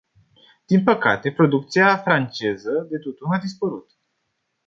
Din păcate, producția franceză de tutun a dispărut.